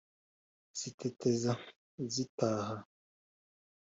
ziteteza zitaha,